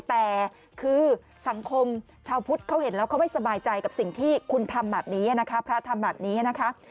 แต่คือสังคมชาวพุทธเขาเห็นแล้วไม่สบายใจกับสิ่งที่คุณทำแบบนี้นะคะ